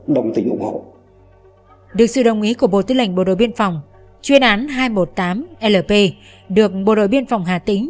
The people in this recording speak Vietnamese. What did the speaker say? được sự đồng ý của bộ tư lệnh bộ đội biên phòng chuyên án hai trăm một mươi tám lp được bộ đội biên phòng hà tĩnh